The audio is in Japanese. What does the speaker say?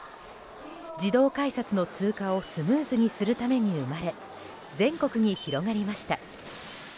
自動改札の通過をスムーズにするために生まれ全国に広がりました。